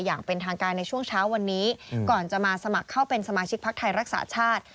อย่างเป็นทางการในช่วงเช้าวันนี้ก่อนจะมาสมัครเข้าเป็นสมาชิกพักไทยรักษาชาติ